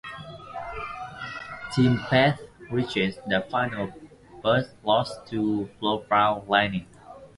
Team Bath reached the final but lost to Loughborough Lightning.